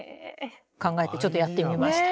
考えてちょっとやってみました。